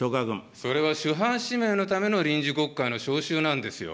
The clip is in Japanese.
それは首班指名のための臨時国会の召集なんですよ。